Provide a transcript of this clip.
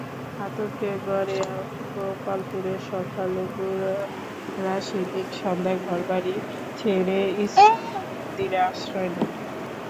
আতঙ্কে গড়েয়া গোপালপুরের সংখ্যালঘুরা সেদিন সন্ধ্যায় ঘরবাড়ি ছেড়ে ইসকনের মন্দিরে আশ্রয় নেন।